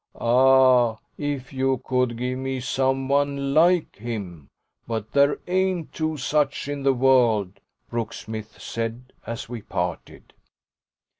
"Ah if you could give me some one LIKE him! But there ain't two such in the world," Brooksmith said as we parted.